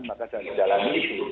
maka saya menjalani itu